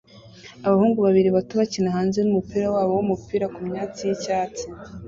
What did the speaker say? Abahungu babiri bato bakina hanze numupira wabo wumupira kumyatsi yicyatsi